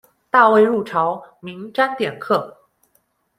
大魏入朝，名沾典客。